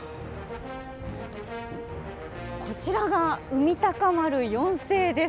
こちらが、海鷹丸４世です。